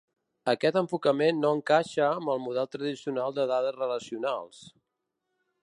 Aquest enfocament no encaixa amb el model tradicional de dades relacionals.